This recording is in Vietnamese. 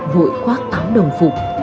vội khoác áo đồng phục